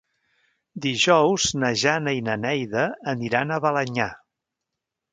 Dijous na Jana i na Neida aniran a Balenyà.